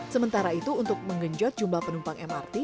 sementara itu untuk menggenjot jumlah penumpang mrt